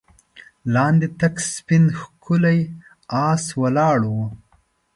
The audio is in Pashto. لاندې تک سپين ښکلی آس ولاړ و.